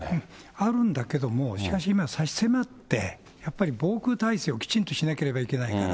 あるんだけども、しかし今、差し迫って、やっぱり防空体制をきちんとしなければいけないから。